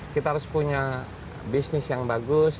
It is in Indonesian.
kita harus punya bisnis yang bagus